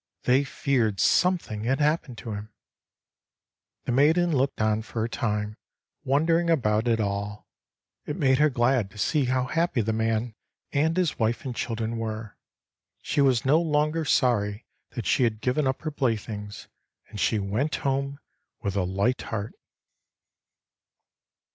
They feared something had happened to him. The maiden looked on for a time, wondering about it all. It made her glad to see how happy the man and his wife and children were. She was no longer, sorry that she had given up her playthings, and she went home with a light heart.